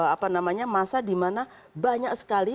apa namanya masa dimana banyak sekali